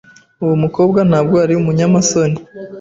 Uwo mukobwa ntabwo ari umunyamasoni.